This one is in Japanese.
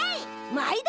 まいど。